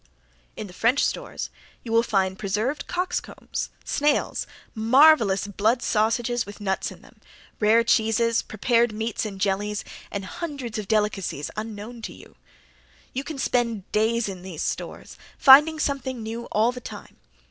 In the French stores you will find preserved cockscombs, snails, marvelous blood sausages with nuts in them, rare cheeses, prepared meats in jellies, and hundreds of delicacies unknown to you. You can spend days in these stores, finding something new all the time.